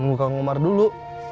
tunggu kang omar dulu